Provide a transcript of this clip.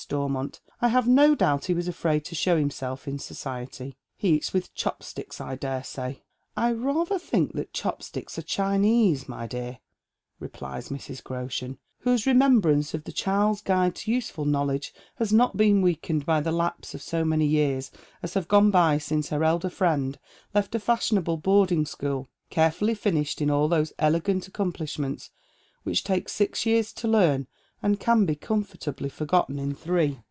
Stormont. " I have no doubt he was afraid to showliimself in society. He eats with chopsticks, I dare say." " I rather think that chopsticks are Chinese, my dear," replies Mrs. Groshen, whose remembrance of the Child's Guide to Useful Knowledge has not been weakened by the lapse of so many years as have gone by since her elder friend left a fashionable boarding school, carefully finished in all those elegant accom plishments which take six years to learn and can be comfortably iorgotten in three.